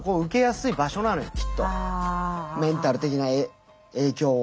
メンタル的な影響を。